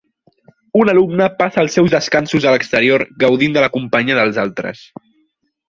Un alumne passa els seus descansos a l'exterior gaudint de la companyia dels altres.